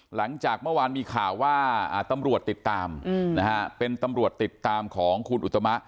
หลังจากเมื่อวานมีข่าวว่าตำรวจติดตามนะฮะเป็นตำรวจติดตามของคุณอุตมะ